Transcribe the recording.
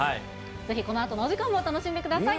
ぜひこのあとのお時間も楽しんでください。